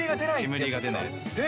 煙が出ないやつです。